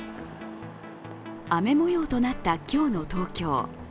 雨もようとなった今日の東京。